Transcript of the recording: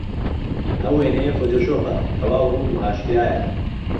ئەو وێنەیە فۆتۆشۆپە، تەواو ڕوون و ئاشکرایە.